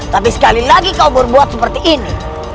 tapi sekali lagi kau berbuat seperti ini